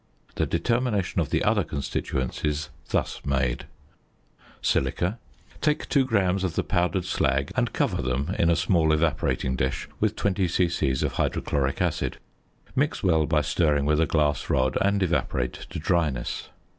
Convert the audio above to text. The determination of the other constituents is thus made: ~Silica.~ Take 2 grams of the powdered slag and cover them, in a small evaporating dish, with 20 c.c. of hydrochloric acid; mix well by stirring with a glass rod; and evaporate to dryness.